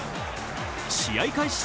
試合開始